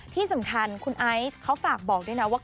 ที่สำคัญคุณไอซ์เขาฝากบอกด้วยนะว่า